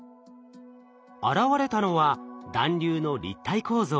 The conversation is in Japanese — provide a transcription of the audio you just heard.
現れたのは団粒の立体構造。